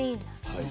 はい。